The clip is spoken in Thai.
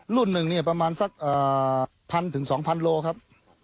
รุ่นหนึ่งประมาณสักพันถึงสองพันโลครับ